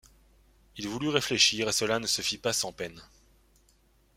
Il voulut réfléchir et cela ne se fit pas sans peine.